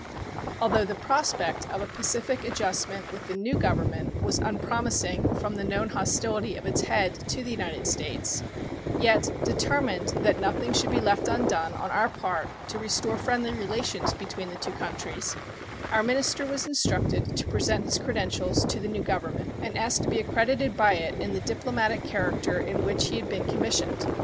Although the prospect of a pacific adjustment with the new Government was unpromising from the known hostility of its head to the United States, yet, determined that nothing should be left undone on our part to restore friendly relations between the two countries, our minister was instructed to present his credentials to the new Government and ask to be accredited by it in the diplomatic character in which he had been commissioned.